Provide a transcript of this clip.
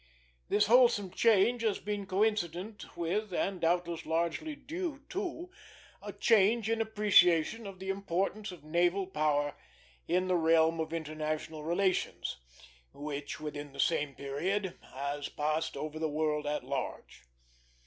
This wholesome change has been coincident with, and doubtless largely due to, a change in appreciation of the importance of naval power in the realm of international relations, which, within the same period, has passed over the world at large.